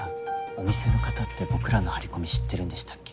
お店の方って僕らの張り込み知ってるんでしたっけ？